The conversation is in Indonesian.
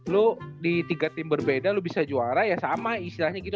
lo di tiga tim berbeda lo bisa juara ya sama istilahnya gitu